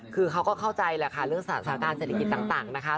คือเขาก็เข้าใจแหละค่ะเรื่องสถานการณ์เศรษฐกิจต่างนะคะ